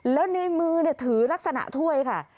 แล้วในมือถือลักษณะถ้วยค่ะ